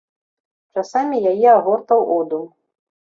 Часамі яе агортаў одум.